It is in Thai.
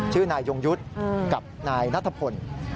ชื่อนายยงยุทธ์กับนายนัทพล